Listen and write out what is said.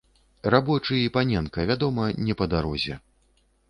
Рабочы і паненка, вядома, не па дарозе.